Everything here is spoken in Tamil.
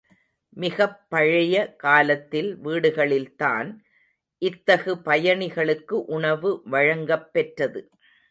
மிகப்பழைய காலத்தில் வீடுகளில்தான், இத்தகு பயணிகளுக்கு உணவு வழங்கப் பெற்றது.